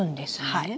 はい。